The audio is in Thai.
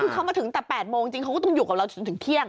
ก็มาถึงแต่๘โมงจริงเพราะก็อยู่กับเราถึงเที่ยง